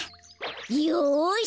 よし！